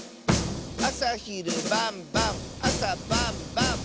「あさひるばんばんあさばんばん！」